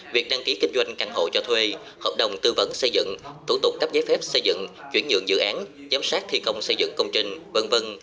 việc đăng ký kinh doanh căn hộ cho thuê hợp đồng tư vấn xây dựng thủ tục cắp giấy phép xây dựng chuyển nhượng dự án giám sát thi công xây dựng công trình v v